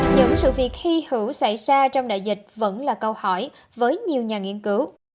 những sự việc hy hữu xảy ra trong đại dịch vẫn là câu hỏi với nhiều nhà nghiên cứu